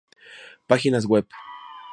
Páginas web